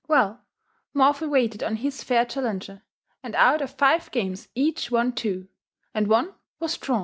Well, Morphy waited on his fair challenger, and out of five games each won two, and one was drawn!